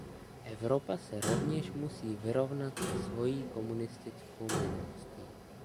Evropa se rovněž musí vyrovnat se svojí komunistickou minulostí.